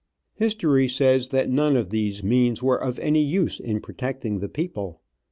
History says that none of these means were of any use in protecting the people.